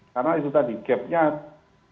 karena itu tadi gapnya tidak